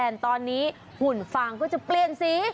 กลางวันตอนนี้หุ่นฟางก็จะเปลี่ยนสี